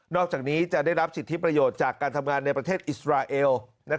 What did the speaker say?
อกจากนี้จะได้รับสิทธิประโยชน์จากการทำงานในประเทศอิสราเอล